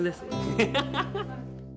ハハハハ！